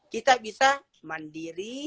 kita bisa mandiri